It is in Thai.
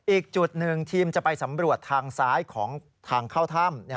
อีกจุดหนึ่งทีมจะไปสำรวจทางซ้ายของทางเข้าถ้ำ